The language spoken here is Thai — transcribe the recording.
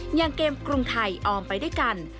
อย่างเกมกรุงไทยออมไปด้วยกัน